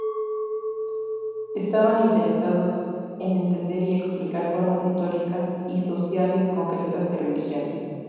Estaban interesados en entender y explicar formas históricas y sociales concretas de religión.